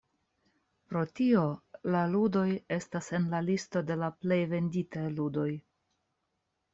Pro tio, la ludoj estas en la listo de la plej venditaj ludoj.